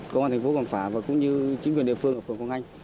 công an thành phố cảng phá và cũng như chính quyền địa phương ở phường quang hanh